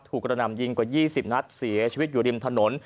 กระหน่ำยิงกว่า๒๐นัดเสียชีวิตอยู่ริมถนน